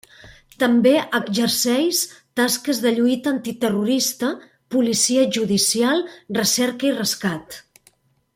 També exerceix tasques de lluita antiterrorista, policia judicial, recerca i rescat.